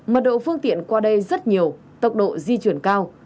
mật độ phương tiện qua đây rất nhiều tốc độ di chuyển cao